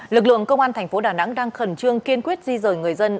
lực lượng công an tp đà nẵng đang khẩn trương kiên quyết di rời người dân